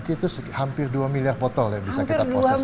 itu hampir dua miliar botol ya bisa kita proses